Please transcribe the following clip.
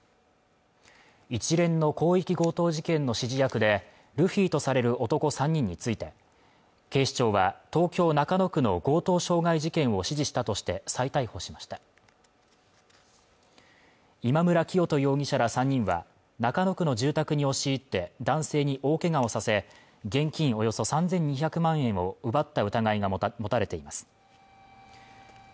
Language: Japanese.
一連の広域強盗事件の指示役でルフィとされる男３人について警視庁は東京中野区の強盗傷害事件を指示したとして再逮捕しました今村磨人容疑者ら３人は中野区の住宅に押し入って男性に大けがをさせ現金およそ３２００万円を奪った疑いが持たれています